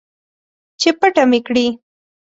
چې پټه مې کړي